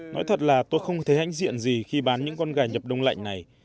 nói thật là tôi không thấy hãnh diện gì khi bán những con gà nhập đông lạnh này